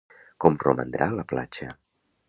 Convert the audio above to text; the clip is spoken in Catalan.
Com romandrà la platja?